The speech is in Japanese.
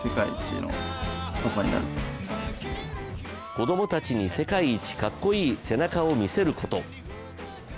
子供たちに世界一かっこいい背中を見せること。